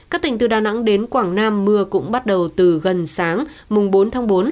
các tỉnh từ đà nẵng đến quảng nam mưa cũng bắt đầu từ gần sáng mùng bốn tháng bốn